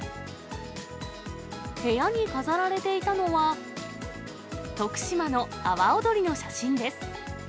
部屋に飾られていたのは、徳島の阿波おどりの写真です。